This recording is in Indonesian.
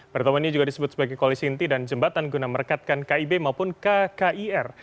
pertemuan ini juga disebut sebagai koalisi inti dan jembatan guna merekatkan kib maupun kkir